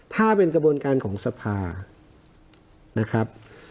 ถ้าเป็นกระบวนการของสภานะครับ